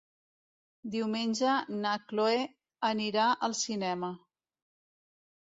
Diumenge na Chloé anirà al cinema.